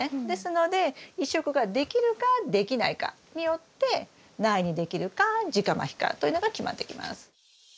ですので移植ができるかできないかによって苗にできるか直まきかというのが決まってきます。